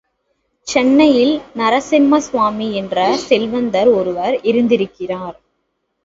சென்னையில் நரசிம்மசுவாமி என்ற செல்வந்தர் ஒருவர் இருந்திருக்கிறார்.